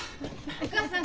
お義母さん